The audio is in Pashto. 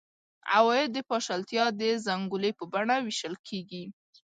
عواید د پاشلتیا د زنګولې په بڼه وېشل کېږي.